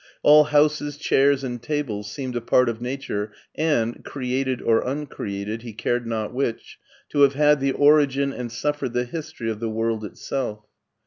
All houses, chairs, and tables seemed a part of nature and — created or uncreated, he cared not which — ^to have had the origin and suffered the history of the world itself.